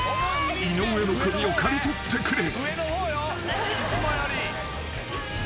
井上の首を刈り取ってくれ］